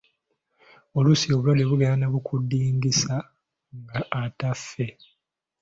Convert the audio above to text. Oluusi obulwadde bugenda ne bukudingisa nga ataafe.